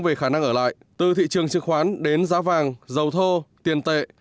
về khả năng ở lại từ thị trường chứng khoán đến giá vàng dầu thô tiền tệ